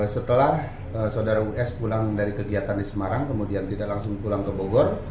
setelah saudara us pulang dari kegiatan di semarang kemudian tidak langsung pulang ke bogor